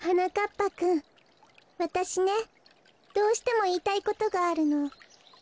ぱくんわたしねどうしてもいいたいことがあるの。